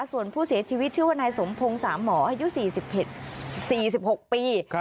ส่วนผู้เสียชีวิตชื่อว่านายสมพงศ์สามหมออายุ๔๖ปี